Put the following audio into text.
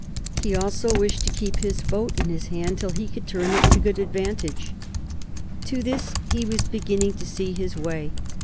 He also wished to keep his vote in his hand till he could turn it to good advantage. To this he was beginning to see his way.